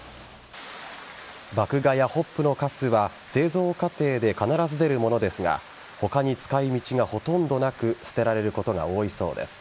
麦芽やホップのかすは製造過程で必ず出るものですが他に使い道がほとんどなく捨てられることが多いそうです。